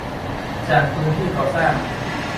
จากพื้นที่ก่อสร้าง